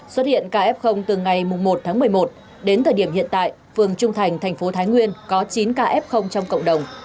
xuất hiện kf từ ngày một tháng một mươi một đến thời điểm hiện tại phường trung thành thành phố thái nguyên có chín kf trong cộng đồng